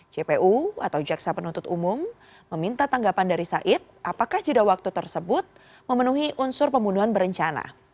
jpu atau jaksa penuntut umum meminta tanggapan dari said apakah jeda waktu tersebut memenuhi unsur pembunuhan berencana